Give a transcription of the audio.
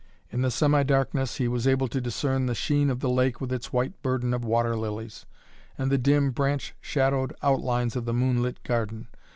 In the semi darkness he was able to discern the sheen of the lake with its white burden of water lilies, and the dim, branch shadowed outlines of the moonlit garden.